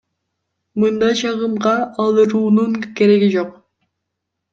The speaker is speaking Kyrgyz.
Мындай чагымга алдыруунун кереги жок.